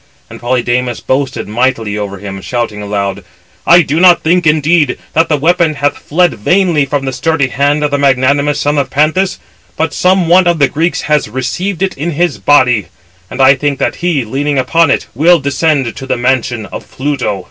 And Polydamas boasted mightily over him, shouting aloud: "I do not think, indeed, that the weapon hath fled vainly from the sturdy hand of the magnanimous son of Panthous, but some one of the Greeks has received it in his body; and I think that he, leaning upon it, will descend to the mansion of Pluto."